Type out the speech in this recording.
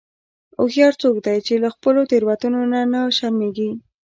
هوښیار څوک دی چې له خپلو تېروتنو نه و نه شرمیږي.